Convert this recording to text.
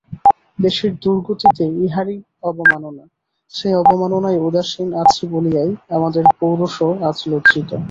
দেশের দুর্গতিতে ইঁহারই অবমাননা, সেই অবমাননায় উদাসীন আছি বলিয়াই আমাদের পৌরুষও আজ লজ্জিত।